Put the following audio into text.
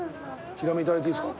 ヒラメ頂いていいですか。